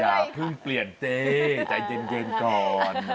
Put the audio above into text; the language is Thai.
อย่าเพิ่งเปลี่ยนเจ๊ใจเย็นก่อน